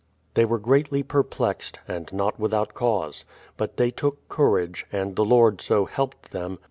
They were greatly perplexed — and not without cause. But they took courage, and the Lord so helped them.